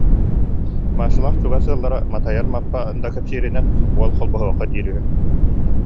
Машалаах чугас ыаллара Матайар Мааппа да кэпсииринэн, уол холбоһуохха диир үһү